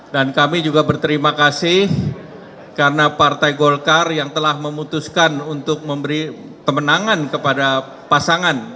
dan kami juga berterima kasih karena partai golkar yang telah memutuskan untuk memberi kemenangan kepada pasangan